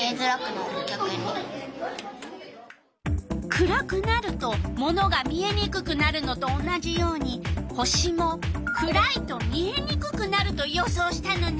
暗くなるとものが見えにくくなるのと同じように星も暗いと見えにくくなると予想したのね。